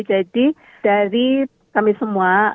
jadi dari kami semua